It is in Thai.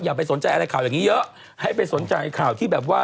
ไปสนใจอะไรข่าวอย่างนี้เยอะให้ไปสนใจข่าวที่แบบว่า